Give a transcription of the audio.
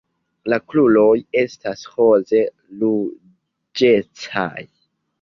La kruroj estas roz-ruĝecaj.